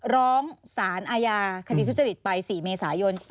ร้องสารอาญาคดีทุจริตไป๔เมษายน